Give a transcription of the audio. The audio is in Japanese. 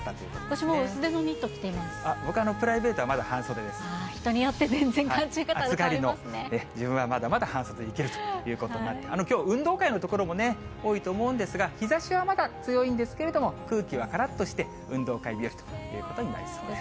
私もう、僕、プライベートはまだ半袖人によって全然感じ方が変わ暑がりの自分は、まだまだ半袖いけるということで、きょう、運動会のところも多いと思うんですが、日ざしはまだ強いんですけれども、空気はからっとした、運動会日和ということになりそうです。